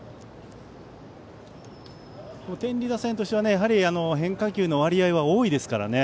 天理打線としては変化球の割合は多いですからね。